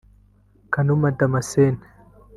Kanuma Damascene